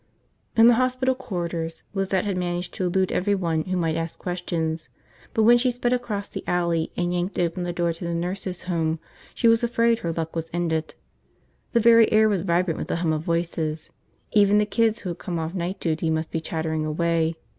In the hospital corridors Lizette had managed to elude everyone who might ask questions; but when she sped across the alley and yanked open the door to the nurses' home, she was afraid her luck was ended. The very air was vibrant with the hum of voices. Even the kids who had come off night duty must be chattering away.